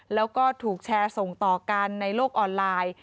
แล้วก็ถูกแชร์ส่งต่อกันในโลกออนไลน์